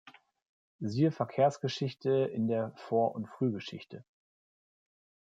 Siehe Verkehrsgeschichte in der Vor- und Frühgeschichte.